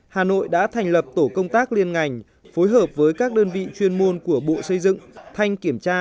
hà nội đã thành lập tổ công tác liên ngành phối hợp với các đơn vị chuyên môn của bộ xây dựng thanh kiểm tra